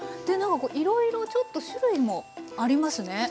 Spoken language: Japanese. いろいろちょっと種類もありますね。